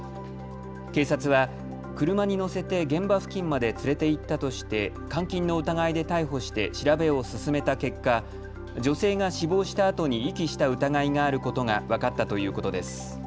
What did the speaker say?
警察は車に乗せて現場付近まで連れて行ったとして監禁の疑いで逮捕して調べを進めた結果、女性が死亡したあとに遺棄した疑いがあることが分かったということです。